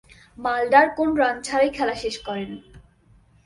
Mulder কোন run ছাড়াই খেলা শেষ করেন।